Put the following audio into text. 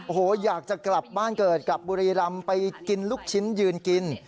โอ้โหอยากจะกลับบ้านเกิดกับบุรีรำไปกินลูกชิ้นยืนกิน